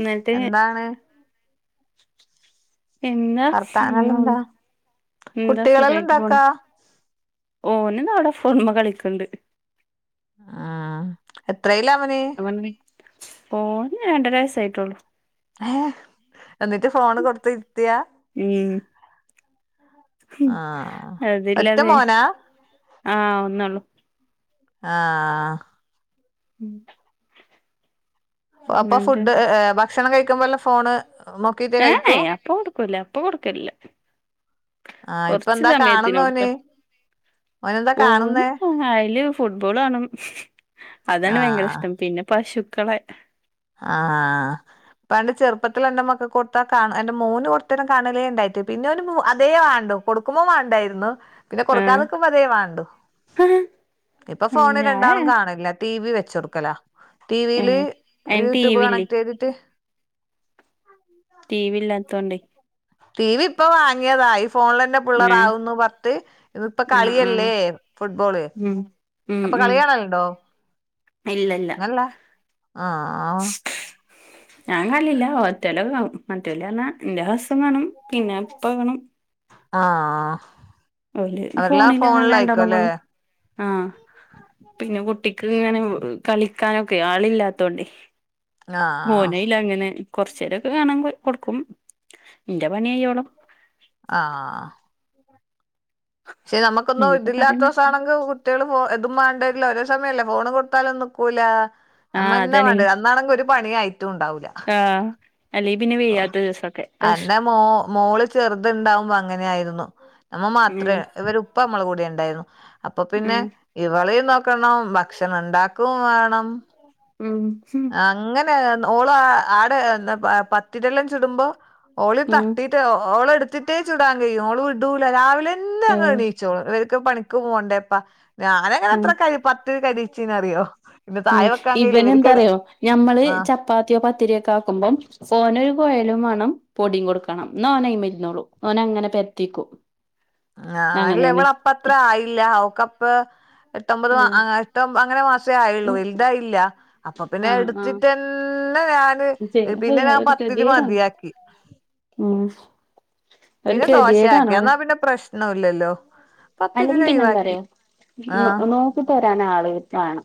ന്നട്ടേ എന്താണ് എന്നാ വർത്താനല്ല എന്താ എന്താ കുട്ടികളെല്ലാം സുഖായിട്ട് പോണ് എന്താക്കാ ഓനതാ അവിടെ ഫോണ് മ്മെ കളിക്ണ്ട് ആഹ്, എത്രല്ല അവന്? ഞാൻ ഓന് രണ്ടര വയസേ ആയിട്ടോള്ളു ഏഹ, എന്നിട്ട് ഫോണ് കൊടുതിരിത്തിയ? ഉം ആ ഒറ്റ അതില്ലാതെ, മോനാ ആഹ് ഒന്നേള്ളൂ. ആഹ.. [inaudible] അപ്പൊ ന്നിട്ട് ഫുഡ് ഏഹ് ഭക്ഷണം കഴിക്കുമ്പോ എല്ലാം ഫോണ് നോ ഏ അപ്പ കൊടുക്കൂല ഇപ്പൊ കൊടുക്കല്ല ആ ഇപ്പൊ കൊറച്ച് എന്താ സമയത്തിനടത്ത, കാണുന്നോന് ഓനെന്താ [unintelligible] കാണുന്നേ ന്ല്.. ഫുട്ബോളകാണും, അതാണ് ഭയങ്കര ആഹ് ഇഷ്ടം, പിന്നെ പശുക്കളെ. ആഹ് അഹ് പ്പണ്ട് ചെറുപ്പത്തിൽ എന്റെ മക്ക കൊടുത്ത കാ എന്റെ മോന് കൊടുത്തന കാണലേ ഉണ്ടായിട്ട് പിന്നെ ഒരു അതേ വേണ്ടോ. കൊടുക്കുമ്പോ വേണ്ടായിരുന്നു പിന്നെ ആഹ് കൊടുക്കാതിക്കുമ്പോ അതേ വേണ്ടു ഇപ്പൊ ഫോണ് രണ്ടാളും ഞാനാണ് കാണില്ല ടി വി വെച്ച കൊടുക്കല ഏ ടിവിയില് അയിന് ടി യൂട്യൂബ് വി ഇല്ലേ കണക്ട് ചെയ്തിട്ട്. ടി വി ഇല്ലാത്തോണ്ടേ ടി വി ഇപ്പൊ വാങ്ങിയതാ ഈ ഫോണിൽന്നെ ഏ പിള്ളേറാവുന്നു പത്ത് ഇപ്പ ആഹ് ആഹ് കളിയല്ലേ ഫുട്ബോള്. ഉം ഉം അപ്പൊ ഉം കളികാണല്ണ്ടോ ഇല്ല ഇല്ല ങ്ങൻല്ല ആഹ് ആഹ് [inaudible] ഞാൻ കല്ലില്ല, ഒറ്റല്ല കാ മറ്റല്ലാ എന്റെ ഹസം കാണും പിന്നെ ഇപ്പ കാണും. ആഹ, ഓല് അവരെല്ലാ ഫോണില് അങ്ങനെ രണ്ടാളും ഫോണിലയിക്കോല്ലേ? കാണും ആഹ് പിന്നെ കുട്ടിക്ക് ഇങ്ങനെ കളിക്കാനൊക്കെ ആളില്ലാത്തോണ്ടേ ആഹ് ഓന ഇല്ല അങ്ങനെ കൊറച്ചേരൊക്കെ കാണാൻ കൊടുക്കും എന്റെ പണി കയോളം. ആഹ് പക്ഷെ നമുക്കൊന്നും ഇനിപ്പോ കറിയണ്ട ഇതില്ലാതോസാണെങ്കി വി കുട്ടികള് ഫോ ഇതും വണ്ടക്കില്ല ഒരോ സമയല്ലേ ഫോണ് കൊടുത്താലും നീക്കൂല ആഹ് നമ്മന്നെ അതാണ് വേണ്ടെ ഇന്നാണെങ്കിൽ ഒരു പണിയായിട്ടും ഉണ്ടാവില്ല ആഹ് അല്ലീ പിന്ന വെയ്യത്ത ദിവസൊക്കെ അന്റെ മോ മോള് ചെറത്ണ്ടാവുമ്പോ അങ്ങനൊയിരുന്നു നമ്മൾ ഉം മാത്രേ ഇവര് ഉപ്പ നമ്മള കൂടിണ്ടായിരുന്നു അപ്പൊ പിന്നെ ഉം ഇവളീം നോക്കണം, ഭക്ഷണം ഉണ്ടാക്കും വേണം. ഉം ഉം അങ്ങനെഓള ആടെ എന്താ പത്തിരല്ലാം ചിടുമ്പോ ഓളി ഉം തട്ടിയിട്ട് ഓള എടുത്തിട്ടേ ചുടാൻ കഴിയും ഓള് വിടൂല രാവിലെന്നെ അങ്ങ ഉം എണീച്ചോളും. ക്ക് പണിക്ക് പോണ്ടേപ്പ ഞാനങ്ങനെ ഉം എത്ര കരി പത്ത് കരിച്ചീന്നറിയോ ഉം, ഇവന എന്താറയോ? ഞമ്മള് ആ ചപ്പാത്തിയോ പത്തിരിയൊക്കെ ആക്കുമ്പോം.. ഓനൊരു കോയലും വേണം പൊടിയും കൊടുക്കണം എന്ന ഓനയി മരുന്നോളൂ ഓന അങ്ങനെ പരത്തിക്കും ആ അല്ല എവടെ അപ്പ അത്ര ആയില്ല അവക്കപ്പ.. എട്ടമ്പത് മാ ആഹ് അങ്ങ ഏട്ടമ്പത് അങ്ങെനെ മസേ ആയുള്ളൂ വലുതായില്ല. അപ്പൊ പിന്നെ ആഹ് ആഹ് എടുത്തിട്ടന്ന ഞാന് പിന്നെ ഞാൻ പത്തിരി മതിയാക്കി ഉമ് പിന്നെ ദോശയാക്കി എന്നാ പിന്നെ പ്രശ്ന ഇല്ലല്ലോ പത്തിരി അല്ലെങ്കിൽ പിന്നെ എന്താ ഒഴിവാക്കി റിയോ നോ ആഹ് നോക്കി തരാൻ ആള് വാണം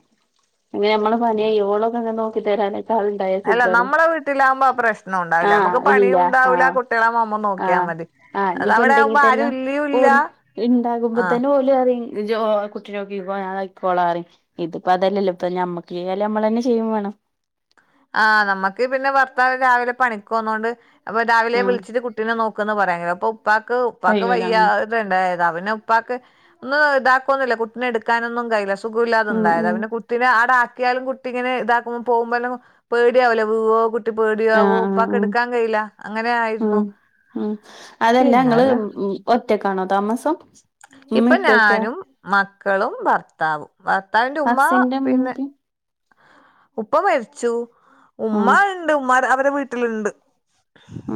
ഇങ്ങനെ നമ്മള് പണിയോളൊക്കെ ങ്ങനെ നോക്കി തരാനൊക്കെ അള് അല്ല നമ്മളെ വീട്ടിലാവകുമ്പോ പ്രശ്നം ഉണ്ടാവില്ല, നമുക്ക് ആഹ് ഇല്ല പണിയും ഉണ്ടാവില്ല കുട്ടികളെ മാമ്മ നോക്കിയാൽ മതി. ആ അത് ഇനിയിപ്പോ അവിടെ ഉണ്ടെങ്കി ആകുമ്പോ തന്നെ ആരും ഇല്ലയും ഇല്ല ഓലെ ഉണ്ടാകുമ്പോ ആഹ് തന്നെഓ റിം ജി ഓ കുട്ടിനെ നോക്കികോ, ഞാനായികൊളന്നറിയും. ഇതിപ്പോ അതല്ലല്ലോ ഇപ്പൊഞമ്മക്ക് ചെയല് നമ്മൾ തന്നെ ചെയ്യും വേണം ആഹ് നമ്മക്ക് പിന്നെ ഭർത്താവ് രാവിലെ പണിക്കൊന്നോണ്ട് അപ്പൊ രാവിലെ ഉം വിളിച്ചിട്ട് കുട്ടിനെ നോക്കന്ന് പറയാ അപ്പ ഉപ്പാക്ക് ഉപ്പാക്ക് കയ്യൂല വയ്യാ ഉം ണ്ടായത്, അവനെ ഉപ്പാക്ക് ഒന്നും ഇതാക്കൊന്നില്ല, കുട്ടിനെ എടുക്കാനൊന്നും കയ്യില്ല. സുഖുല്ലാതെ ഉം ഉണ്ടായത ഉം പിന്നെ കുട്ടിനെ ആട ആക്കിയാലും കുട്ടി ഇങ്ങനെ താകുമ്പോ പോകുമ്പലും പേടിയാവൂല, വീവോ കുട്ടി പേടിയാവോ, ആഹ് ആഹ് ആഹ് ഉപ്പക്കെടുക്കാൻ കഴയില്ല അങ്ങനെ ആയിരുന്നു. ഉം ഉം അതെല്ലാ ങ്ങള് പിന്നല്ല ഉം ഒറ്റക്കാണോ താമസം ഉമ്മീം ഇപ്പൊ ഉപ്പയൊക്കെ ഞാനും മക്കളും ഭർത്താവും ഭർത്താവിന്റെ ഉമ്മ, ഹസ്സിന്റെ ഉമ്മീം പിന്നെ.. ഉപ്പീം ഉപ്പ മരിച്ചു ആഹ് ഉമ്മാ ഉണ്ട് ഉ്മാ അവരെ വീട്ടിലുണ്ട്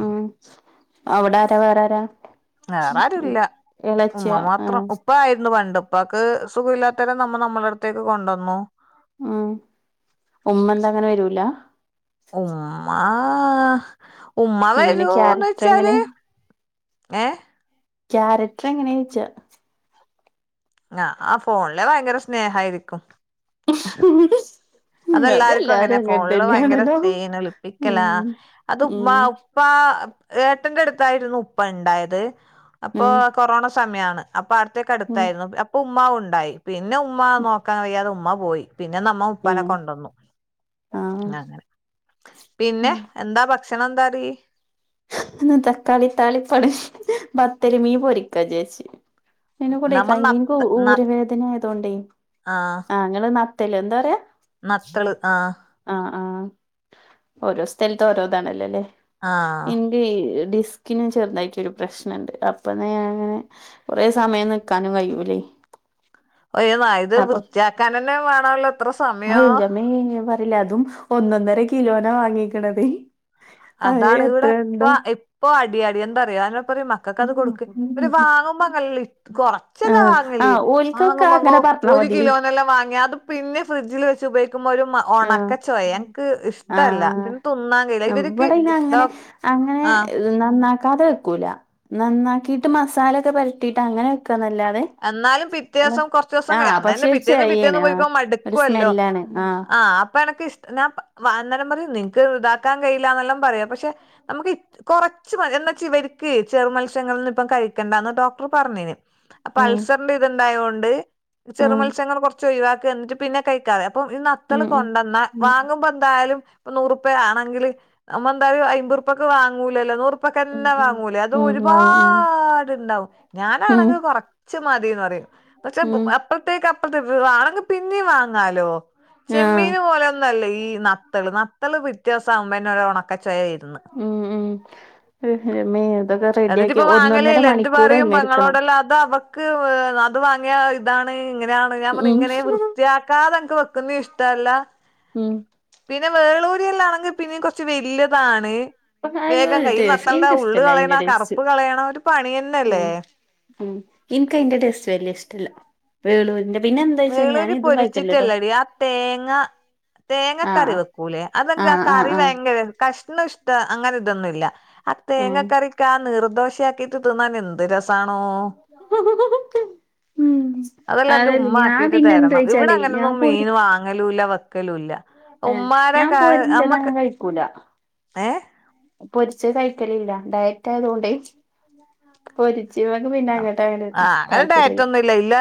ഉം, അവിടാര വേറെരാ? വേറെരുംല്ല ഉമ്മ മാത്രം ആഹ് ഉ ഇപ്പ ആരുന്നു പണ്ട്, ഇപ്പാക്ക് സുഖ ഇല്ലാത്തരം നമ്മൾ നമ്മള അടുത്തേക്ക് കൊണ്ടുവന്നു. ഉം, ഉമ്മന്ത അങ്ങനെ വരൂല? ഉമ്മാ... ഉമ്മ എങ്ങനെ വരൂന്ന് ക്യാരക്ടർ എങ്ങനെ വെച്ചാല് ഏ ക്യാരറ്റ്ർ എങ്ങനെച്ച ഞ ആഹ് ഫോൺലെ ഭയങ്കര സ്നേഹായിരിക്കും [inaudible] ഉം അതെല്ലാർക്കും അങ്ങനെ, അതെല്ലാരും ഫോണില് ഭയങ്കര തന്നെയാണല്ലോ തേൻ എളിപ്പിക്കല, ഉം അത് ഉമ്മ.. ഉം അപ്പ ഏട്ടന്റെ അടുത്തായിരുന്നു ഉപ്പ ഉണ്ടായത്, അപ്പൊ ഉം കൊറോണ സമയാണ്. അപ്പൊ അടുത്തേക്ക ഉം അടുത്തായിരുന്നു, അപ്പൊ ഉമ്മ ഉണ്ടായി, പിന്നെ ഉമ്മ നോക്കാൻ കഴിയാതെ ഉമ്മ പോയി. പിന്നെ നമ്മ ഉപ്പനെ ഉം കൊണ്ടുവന്നു ആഹ് അങ്ങനെ പിന്നെ ഉം എന്താ സിനന്തറി? അ തക്കാളി താളിപ്പളി, ബത്തരി മീ പൊരിക്കാ വിചാരിച്ച്. ഇ കൂടെ നമ്മ കഴിയുമ്പേ നത്ത ന ഊരവേദന ആയതോണ്ടേ, ആ ഇങ്ങെള് നത്തല് എന്താ പറയാ? മത്തള് ആഹ് ആഹ ആഹ, ഓരോ സ്ഥലത്തു ഓരോതാണല്ലല്ലേ? ആഹ് ഡിസ്കിനും ചെറുതായിട്ടി ഒരു പ്രശ്നംണ്ട് അപ്പന്ന ഞാൻ ഇങ്ങനെ കുറെ സമയം നീക്കാനും കഴ്യൂല്ലേ ഒയ്വായ് ഇത് വൃത്തിയാക്കാൻ തന്നെ വേണല്ലോ ത്ര സമയോ ഇല്ല അതും ഒന്നൊന്നര കിലോന വാങ്ങിക്കണത്. അത് അതാണിവിടെ ഇപ്പ എത്രയുണ്ട് ഇപ്പൊ അടിയാടി എന്താറിയോ അതിന പറി മ ക്കെ അത് കൊടുക്ക് ഒരു വാങ്ങുമ്പോ അങ്ങല്ല ഇ കൊറ.. ചില ആഹ് വാങ്ങലേ, ആഹ് ഓൽക്കൊക്കെ വാങ്ങുമ്പോങ്ങോ അങ്ങനെ പറഞ്ഞാ ഒരു മതി കിലോനെല്ലാം വാങ്ങി അത്.. പിന്നെ ഫ്രിഡ്ജിൽ വെച്ച് ഉപയോഗിക്കുമ്പോ ഒരുമ ഒണക്ക ആഹ് ച്ചോയ അൻക്ക് ഇഷ്ടല്ല ആഹ് പിന്നെ തിന്നാൻ കഴില്ല ഇതൊരു ഇവിടെ ഇ അങ്ങനെ, അങ്ങനെ.. നന്നാക്കാതെ വെക്കൂല, നന്നാക്കിട്ട് മസാല ഒക്കെ പരട്ടിയിട്ട് അങ്ങനെ വെക്കാ എന്നല്ലാതെ. എന്നാലും പിറ്റേ ദിവസം കുറച്ചു ദിവസം ക അ എന്നെ പക്ഷെ പിറ്റേന്നന്ന് ചെയ്യാണ് ആഹ് പിറ്റേന്ന് ഒരു മടുക്കുവല്ലോ സ്മെല്ലാണ് ആഹ് അപ്പൊ എനക്ക് ഇഷ ഞാ വ അന്നേരം പറയും നിനക്ക് ഇതാക്കാൻ കഴയില്ലന്നെല്ലാം പറയാ പക്ഷെ നമുക്ക് കൊറച്ച് എന്നാ ച ഇവർക്ക് ചെറു മത്സ്യങ്ങളന്നും ഇപ്പം കഴിക്കണ്ടന്ന് ഡോക്ടർ പറഞ്ഞേന് അപ്പൊ ഉം അൾസർന്റെ ഇത്ണ്ടായതോണ്ട്, ചെറു ഉം മത്സ്യങ്ങൾ കുറച്ച് ഒഴിവാക്കന്നിട്ട് പിന്നെ കഴിക്കാതെ അപ്പൊ... ഉം വത്തള് ഉം കൊണ്ടുവന്നാ ഉം വാങ്ങുമ്പോ എന്തായാലും.. ഇപ്പ നൂറുപ്പ ആണെങ്കില് നമ്മ എന്തായാലും അയമ്പുർപ്പക്ക വങ്ങൂല്ലല്ലോ നൂറു ഉം ഇപ്പൊക്കല്ലാ ഉം വാങ്ങൂലേ അതും ഉം വാങ്ങും ഒരുപാട്ണ്ടാവും ഉം ഞാനാണെങ്കി കൊറ ച് മതിന്ന് പറയും പക്ഷെ ഉം പൂ ഉം അപ്പത്തേക്ക് അപ്പത്തേ വാണെങ്കിൽ പിന്നെയും വാങ്ങാലോ ആഹ് ചെമ്മീന് പോലുന്നല്ല ഈ നത്തള് നത്തള് പിറ്റേദിവസം അമ്മന്റ ഒരു ഒണക്ക ചായരുന്നു ഉം ഉം [unintelligible] റെഡിയാക്കി എന്നിട്ടിപ്പ ഒന്നൊന്നര വാങ്ങലേല്ല മണിക്കൂറ് അയ്‌മെര്ക്കണം ക്ക് അത് വാങ്ങിയ ഒര്താണ് ഇങ്ങനെയാണ് ഞാൻ പറഞ്ഞ ഉം ഇങ്ങനെ വൃത്തിയാക്ക കാർ വെക്കുന്ന ഇഷ്ടല്ല ഉം പിന്നെ വേളൂരി എല്ലാം ആണെങ്കിൽ പിന്നെ കുറച്ച് വല്യ താണ് അയ്യോ വേഗം ഒരു കൈ ടേസ്റ്റ് നത്ത ഉള് എനിക്കിഷ്ടല്ല അയ്ന്റെ കളയണ ടേസ്റ്റ് കറുപ്പ് കളയണ ഒരു പണിന്നെല്ലേ മ്മ്ഹ് ഇൻക്കയ്ന്റെ ടേസ്റ്റ് വല്യ ഇഷ്ടല്ല വേളൂരിൻ്റെ വേളൂരി പൊരിച്ചിട്ടല്ലടി ആ തേങ്ങ തേങ്ങ കറി ആഹ് വെക്കൂലേ അതെെ ആഹ് ആഹ് കറി ആഹ് ഭയങ്കര കഷ്ണം ഇഷ്ട അങ്ങനെ ഇതൊന്നുമല്ല ആഹ് ഉം തേങ്ങക്കറിക്ക ആ നീർദോശയാക്കി ത്ന്നാൻ എന്ത് രസാണോ ഉം അതെല്ലാം എന്റെ അതല്ലേ ഉമ്മ ഞാൻ പിന്നെന്തേച്ചാലേ ഞാൻ പൊ വാങ്ങലുല്ല വെക്കലുല്ല ഏ ഞാൻ പൊരിച്ചതങ്ങ് കഴിക്കൂല ഏ പൊരിച്ച കൈക്കലില്ല ഡയറ്റ് ആയതുകൊണ്ടേ ഉ ആ് ഒരിച്ചിക്കക്ക് മിണ്ടാന് അങ്ങോട്ട് അങ്ങനെ അങ്ങനെ താല്പര്യമല്ല ഡയറ്റൊന്നും ഇല്ല ഇല്ല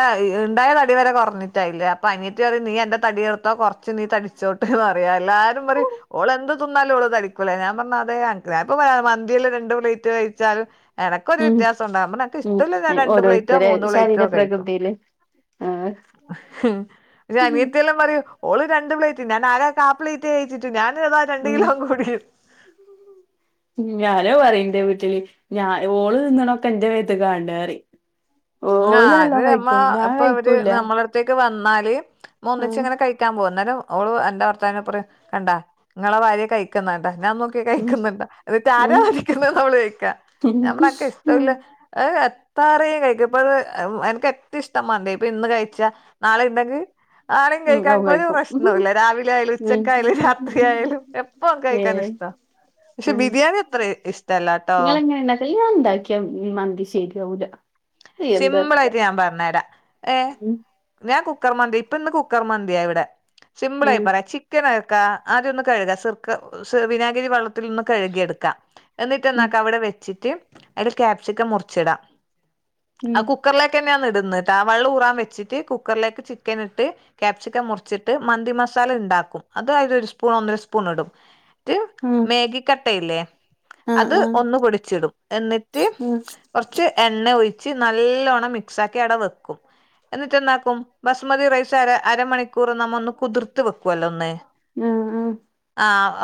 ഉണ്ടായ തടി വരെ കുറഞ്ഞിട്ടാ ഇല്ല അപ്പൊ അങ്ങിട്ട് പറ നീ എന്റെ തടി എടുത്തോ കൊറ അച് നീ തടിച്ചോട്ടെന്ന് പറയ എല്ലാരും പറി ഓള്െന്ത് തിന്നാലും ഓള് തരിക്കൂലേ ഞാൻ പറഞ്ഞാ അതെ ഞാനൻപ്പ മന്തിൽ രണ്ടണ്ട് പ്ലേറ്റ് കഴിച്ചാും എടക്ക് ഒരു ഉം വ്യത്യാസണ്ടാകുമ്പോ നക്ക് ഉം ഇഷ്ടള്ള രണ്ട് പ്ലേറ്റോ ഓരോരുത്തരെ മൂന്ന് പ്ലേറ്റോ കഴിക്കും ശരീരപ്രകൃതിയില് ആഹ് ഉ ഉം ൻ്റെനിയത്തി പറയും ഓള് രണ്ട് പ്ലേറ്റ് ഞാൻ ആ കാ പ്ലേറ്റ് കയച്ചിട്ടു ഞാനതാ രണ്ട് ഉം കിലോ കൂടിന്ന് ഉ ഞാനോ പറ എന്റെ വീട്ടില് ഞാൻ ഓള് നിന്നണൊക്കെ ന്റെ മേത്ത് കാണത് അറിം ആഹ് ഓലല്ലോ കഴിക്കും ഞാൻ കഴിക്കൂല വന്നാൽ ഒന്നിച്ചു അങ്ങനെ പോലും അന്നേരം ഓള് എന്റെ ഭർത്തവിനെ കണ്ടാ നിങ്ങളെ ഭാര്യ കഴിക്കുന്നാകണ്ടാ ഞാൻ നോ ഉം കഴിക്കുന്നുണ്ടോ എന്നിട്ട ആരാ ഉം മരിക്കുന്നത് നമ്മള് കഴിക്കാ നമ്മളൊക്കെ ഉം ഇഷ്ടമല്ല താറയും കഴിക്കും ഇപ്പത് എനക്ക് എറ്റ ഇഷ്ട മന്തി ഇപ്പൊ ഇന്ന് കഴിച്ച നാളെ ഉണ്ടെങ്കിൽ ആരം ഉം കഴിക്കാൻ അതും ഇൻക്കൊരു കഴിക്കും പ്രശ്നോല്ല ഉം രാവിലെ ആയാലും ഉച്ചക്കായാലും രാത്രിയായാലും എ പ്പം കഴിക്കാൻ ഏഹ് ഇഷ്ട്ടാ. പക്ഷെ ആഹ് ബിരിയാണി അത്ര ഇഷ്ടല്ല ട്ടോ. അ ഞാൻ ഉണ്ടാക്കിയ മന്തി ശരിയാവൂല എന്താ അറീല സിംമ്പിളായിട്ട് ഞാൻ പറഞ്ഞ തരാം ഏ ഉം ഞാൻ കുക്കർ മന്തി ഇപ്പൊ ഇന്ന് കുക്കർ മന്തിയാവിടെ സിമ്പിൾ ആയി ആഹ് പറയാ ചി ചിക്കനക്ക ആദ്യൊന്ന് കഴുക സുർക്ക സൊ വിനാഗിരി വള്ളത്തിലൊന്ന് കഴുകിയെട്ക്കാ എന്നിട്ട് ഉം എന്നക്ക് അവിടെ വെച്ചിട്ട് അതിൽ ക്യാപ്സിക്കം മുറിച്ചിടാം ആ ഉം കുക്കറിലേക്ക് തന്നെയാന്ന് ഇടുന്ന ആ വെള്ളം ഊറാൻ വെച്ചിട്ട് കുക്കറിലേക്ക് ചിക്കൻ ഇട്ട് ക്യാപ്സിക്കം മുറിച്ചിട്ട് മന്തി മസാല ഉണ്ടാക്കും അത് അത് ഒരു സ്പൂൺ ഒന്നര സ്പൂൺ ഇടും ആഹ് മേഗിക്കട്ടയില്ലേ ആഹ് അത് ആഹ് ഒന്ന് പൊടിച്ചിടും എന്നിട്ട് ആഹ് കുറച്ച് എണ്ണ ഒഴിച്ച് നല്ലവണ്ണം മിക്സ് ആക്കി അവിടെ വെക്കും എന്നിട്ട്ന്താക്കും ബസ്മതി റൈസ് അര അരമണിക്കൂർ നമ്മ ഒന്ന് കുതിർത്തി വെക്കൊല്ലോ ഒന്ന് ആ ആ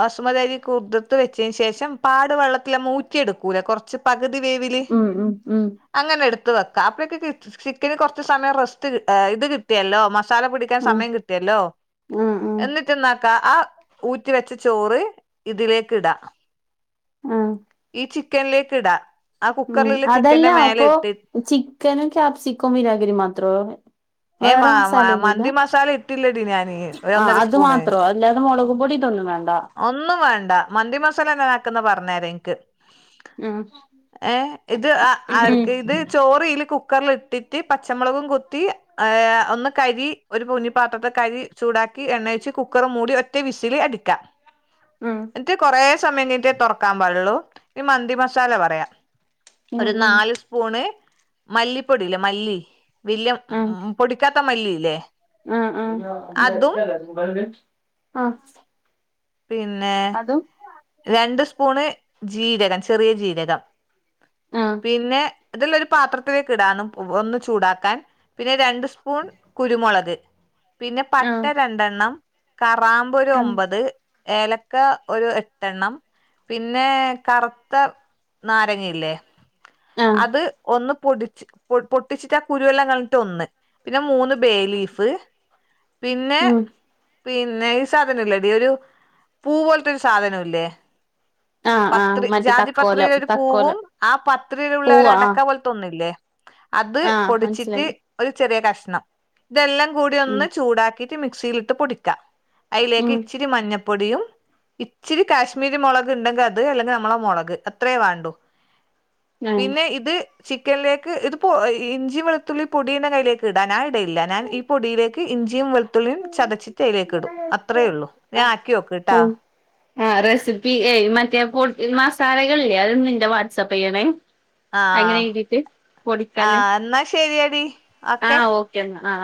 അസുമതരി കുതിർത്ത് വെച്ചന് ശേഷം പാടു വെള്ളത്തില മൂറ്റിയെടുക്കൂല കുറച്ച് പകുതി വേവ് ഉം ഉം ഉം അങ്ങനെ എടുത്ത് വെക്കാം അപ്പഴക്ക് ചിക്കന് കുറച്ച് സമയം റസ്റ്റ് ഇത് കിട്ടിയല്ലോ മസാല പിടി ഉം സമയം കിട്ടിയല്ലോ ഉം ഉം എന്നിട്ട് റ്റന്നാക്ക ആ ഊറ്റി വെച്ച ചോറ് ഇതിലേക്ക് ഇടാ ആഹ ഈ ചിക്കനിലേക്ക് ഇടാ ആ ഉം കുക്കറിലുള്ള അതല്ല ചിക്കന്റെ മേലെ അപ്പൊ ഇട്ടിട്ട് ചിക്കനും ക്യാപ്സിക്കോം വിനാഗിരി മാത്രൊ ഏ മ വേറെ മസാലൊന്നുല്ല മന്തി മസാല ഇട്ടില്ലടി ഞാന് ഒരു ആ ഒന്നര അത് സ്പൂണ് മാത്രോ അല്ലാതെ മുളകുപൊടി തൊന്നും വേണ്ട ഒന്നും വേണ്ട മന്തി മസാല എന്നെ ആക്കന്ന് പറഞ്ഞര എനിക്ക് ഉം ഏഹ് ഇത് ആ ആർക്ക് ഇത് ചോറില് കുക്കറ്‌ല് ഇട്ടിട്ട് പച്ചമുളകും കൊത്തി ഹ ഒന്ന് കരി ഒരു പൊന്നിപ്പാത്രത്തെ കരി ചൂടാക്കി എണ്ണയച്ച് കുക്കർ മൂടി ഒറ്റ വിസില് അടിക്കാ [inaudible] ഉം എന്നിട്ട് കുറെ സമയം കഴിഞ്ഞിട്ടേ തുറക്കാൻ പാടൂ ള്ളൂ ഇനി മന്തി മസാല പറയാ ഉം ഒരു ഉം നാല് സ്പൂണ് മല്ലിപ്പൊടിലെ മല്ലി വല്യ പൊടി പൊടിക്കാത്ത മല്ലില്ലേ ആ ആ ആ പിന്നെ രണ്ട് സ്പൂണ് ജീരകം ചെറിയ ജീരകം ആഹ് പിന്നെ ഇതെല്ലാം ഒരു പാത്രത്തിലേക്ക് ഇടാൻ ചൂടാക്കാൻ പിന്നെ രണ്ട് ഒരു സ്പൂൺ കുരുമുളക് പിന്നെ പട്ട ആഹ് രണ്ടണ്ണം കാറാം - ഒരു ആഹ് ഒമ്പത് ഏലക്ക ഒരു എട്ട എണ്ണം പിന്നെ കറത്ത നാരങ്ങയില്ലേ ആഹ് അത് ഒന്ന് പൊടിച്ച് പൊട്ടിച്ചിട്ട് ആ കുരുവെല്ലാം ക ഒന്ന് പിന്നെ മൂന്ന് ബേ ലീഫ് പിന്നെ ഉം പിന്നെ ഈ സാധനം ഇല്ലടീ ഒരു പൂ പോലത്തെരു സാധനംല്ലേ ആഹ് ആഹ് പത്രി മറ്റേ ജാതി തക്കോലം പത്രിയില ഒരു പൂവും തക്കോലം ആ പത്രിയിലുള്ള പൂവ് ഒരു അടക്ക ആഹ് പോലെ ന്നില്ലേ അത് ആഹ് പൊടിച്ചിട്ട് മനസ്സിലായി ഒരു ചെറിയ കഷ്ണം ഇതെല്ലാം കൂടി ഉം ഒന്ന് ചൂടാക്കിട്ട് മിക്സിയിലിട്ട് പൊടിക്കാം അയിലേക്ക് ഉം ഇച്ചിരി മഞ്ഞ പൊടിയും ഇച്ചിരി കാശ്മീരി മുളക് ഉണ്ടെങ്കിൽ അത് അല്ലെങ്കിൽ നമ്മളെ മുളക് അത്രയേ വേണ്ടുന്നേ. പിന്നെ ഇത് ചിക്കനിലേക്ക് ഇത്പ്പോ ഇഞ്ചി വെളുത്തുള്ളി പോത്തിനയ്യിലേക്ക്ഇടാ ഞാ ഇടലില്ല ഞാൻ ഈ പൊടിയിലേക്ക് ഇഞ്ചിയും വെ ത്തിയും ചതച്ചിട്ട് അലേക്ക് ഇടും അത്രയേ ഉള്ളൂ ഞാൻ ആക്കിക്കട്ടാ ഉം ആഹ് റെസിപ്പി ഏ മറ്റേ പൊട് മസാലകളില്ലേ അതൊന്നെന്റെ വാട്സപ്പ് ചെയ്യണേ ആ അങ്ങനെ എഴുതിട്ട് ആ പൊടിക്കാന് എന്നാ ശരിയടി ഓക്കെ ആ ഓ ആ